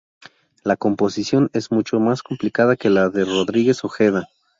La composición es mucho más complicada que las de Rodríguez Ojeda.